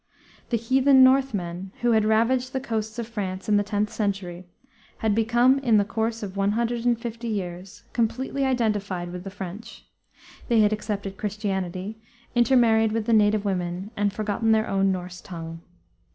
The heathen Northmen, who had ravaged the coasts of France in the 10th century, had become in the course of one hundred and fifty years, completely identified with the French. They had accepted Christianity, intermarried with the native women, and forgotten their own Norse tongue.